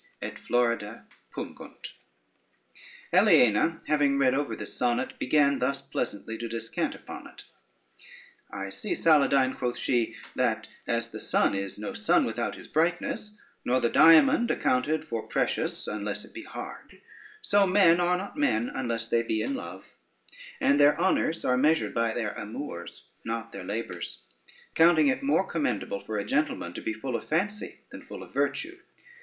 Et florida pungunt. Aliena having read over his sonnet, began thus pleasantly to descant upon it: "I see, Saladyne," quoth she, "that as the sun is no sun without his brightness, nor the diamond accounted for precious unless it be hard, so men are not men unless they be in love; and their honors are measured by their amours, not their labors, counting it more commendable for a gentleman to be full of fancy, than full of virtue.